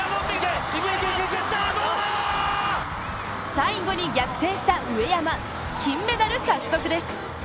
最後に逆転した上山、金メダル獲得です。